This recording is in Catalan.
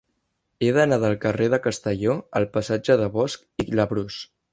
He d'anar del carrer de Castelló al passatge de Bosch i Labrús.